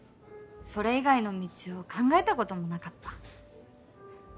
それ以外の道を考えたこともなかった。